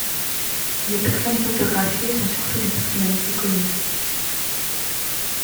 Les personnes photographiées sont surtout des personnalités connues.